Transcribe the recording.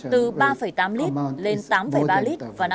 từ ba tám lít lên tám ba lít vào năm hai nghìn một mươi sáu